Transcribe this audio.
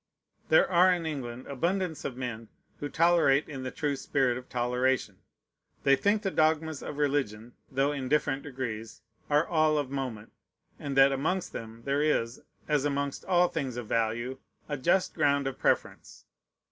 There are in England abundance of men who tolerate in the true spirit of toleration. They think the dogmas of religion, though in different degrees, are all of moment, and that amongst them there is, as amongst all things of value, a just ground of preference.